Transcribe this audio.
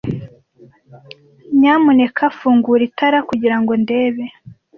Nyamuneka fungura itara kugirango ndebe.